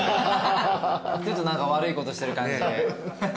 ちょっと何か悪いことしてる感じで。